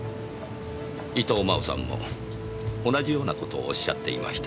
伊藤真央さんも同じような事をおっしゃっていました。